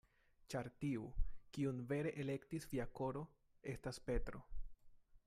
Ĉar tiu, kiun vere elektis via koro, estas Petro.